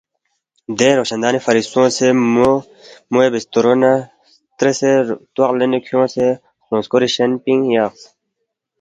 دے روشندان فری سونگسے موے بسترو نہ ستریسے تواق لینے کھیونگسے خلُونگ سکوری شین پِنگ یقس